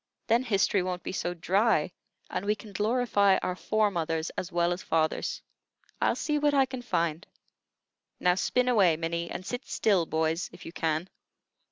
Then history won't be so dry, and we can glorify our fore mothers as well as fathers." "I'll see what I can find. Now spin away, Minnie, and sit still, boys, if you can."